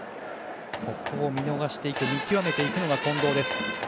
ここを見逃していく見極めていくのが近藤です。